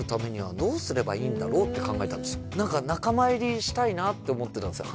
何か仲間入りしたいなって思ってたんですよ